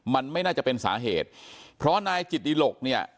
มันไม่น่าจะเป็นสาเหตุเพราะนายจิตดิหลกเนี่ย